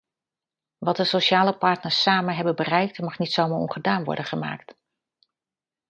Wat de sociale partners samen hebben bereikt, mag niet zomaar ongedaan worden gemaakt.